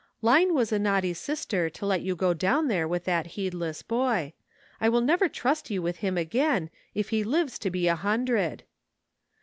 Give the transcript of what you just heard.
"Line was a naughty sister to let you go down there with that heed less boy. I will never trust you with him again, if he lives to be a hundred."